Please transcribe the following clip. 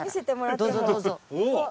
どうぞどうぞ。